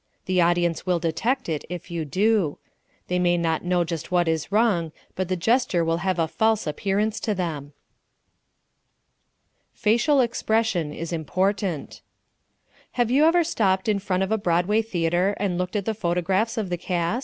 The audience will detect it if you do. They may not know just what is wrong, but the gesture will have a false appearance to them. Facial Expression is Important Have you ever stopped in front of a Broadway theater and looked at the photographs of the cast?